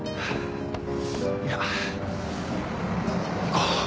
いや行こう。